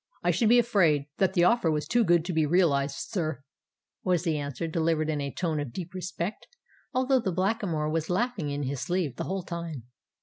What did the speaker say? "I should be afraid that the offer was too good to be realized, sir," was the answer, delivered in a tone of deep respect; although the Blackamoor was laughing in his sleeve the whole time.